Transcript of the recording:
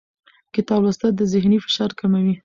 کتاب لوستل د ذهني فشار کموي